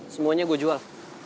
semuanya gue jual